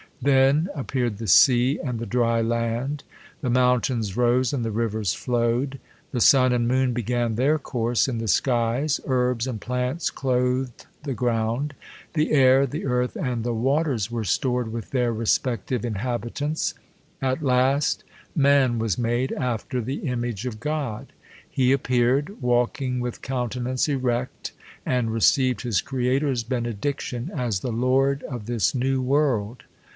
Tlitn appeared the sea, and the dry land. The mountains rose ; and the rivers flowed. The sun and rnoon began their course in the, skies. Herbs and plants clothed the ground. The air, the earth, and the wa ters were stored v/ith their respective inhabitants. At last, man was made after the image of God. He ap peared, walking with countenance erect; and received his Creator's benediction, as the lord of this new world.